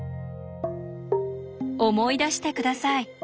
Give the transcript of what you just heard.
思い出して下さい。